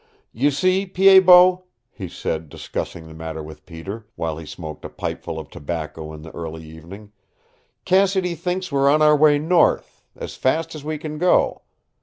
"You see, Pied Bot," he said, discussing the matter with Peter, while he smoked a pipeful of tobacco in the early evening, "Cassidy thinks we're on our way north, as fast as we can go.